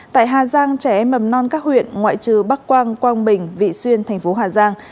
tại hà giang trẻ em mầm non các huyện ngoại trừ bắc quang quang bình vị xuyên tp hcm